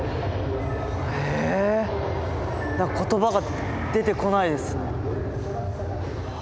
えっ言葉が出てこないです。